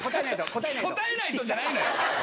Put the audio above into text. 「答えないと」じゃないのよ！